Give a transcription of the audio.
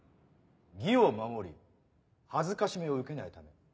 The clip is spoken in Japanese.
義を守り辱めを受けないため。